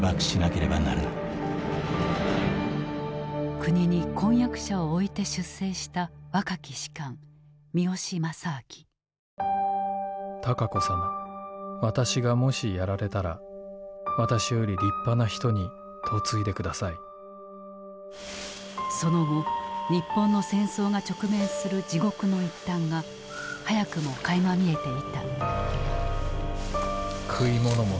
国に婚約者を置いて出征した若き士官その後日本の戦争が直面する地獄の一端が早くもかいま見えていた。